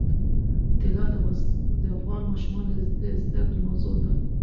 طلا د افغان ماشومانو د زده کړې موضوع ده.